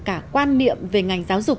cả quan niệm về ngành giáo dục